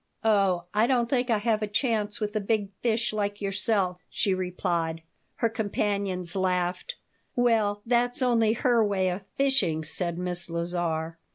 "Oh, I don't think I have a chance with a big fish like yourself," she replied Her companions laughed "Well, that's only her way of fishing," said Miss Lazar.